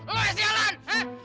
lo yang sialan